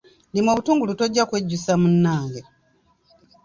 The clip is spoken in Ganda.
Lima obutungulu tojja kwejjusa munnage.